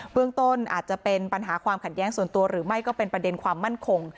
เรื่องต้นอาจจะเป็นปัญหาความขัดแย้งส่วนตัวหรือไม่ก็เป็นประเด็นความมั่นคง